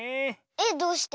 えっどうして？